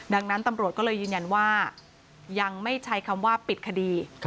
ดังนั้นตำรวจก็เลยยืนยันว่ายังไม่ใช้คำว่าปิดคดี